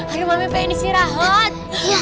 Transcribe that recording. aduh mami penisnya rahat